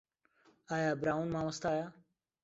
ئایا براون مامۆستایە؟